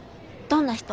どんな人？